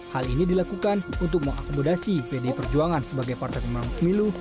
hal ini dilakukan untuk mengakomodasi pdi perjuangan sebagai partai pemenang pemilu